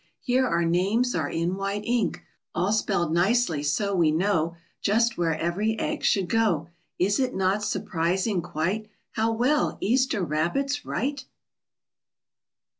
Here our names are in white ink, All spelled nicely so we know Just where every egg should go! Is it not surprising, quite, How well Easter Rabbits write?